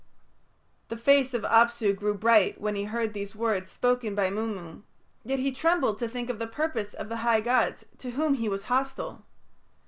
The face of Apsu grew bright when he heard these words spoken by Mummu, yet he trembled to think of the purpose of the high gods, to whom he was hostile.